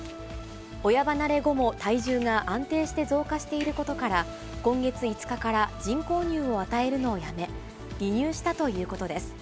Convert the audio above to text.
親離れ後も体重が安定して増加していることから、今月５日から人工乳を与えるのをやめ、離乳したということです。